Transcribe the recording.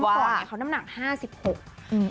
เมื่อก่อนเขาน้ำหนัง๕๖กิโลกรัม